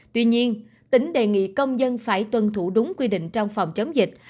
tuy nhiên tỉnh đề nghị công dân phải tuân thủ đúng quy định trong phòng chống dịch